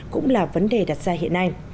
cũng là vấn đề đặt ra hiện nay